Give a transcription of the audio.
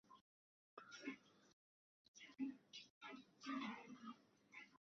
فَأَمَّا مَنْ كَانَ فِيهِ مُتَوَجِّهًا وَمِنْهُ مُسْتَكْثِرًا فَهُوَ يَعْلَمُ مِنْ بُعْدِ غَايَتِهِ